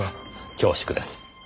恐縮です。